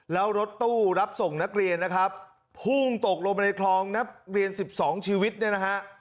แล้วรถตู้รับส่งนักเรียนนะครับพุ่งตกลงไปในคลองนักเรียน๑๒ชีวิตเนี่ยนะฮะ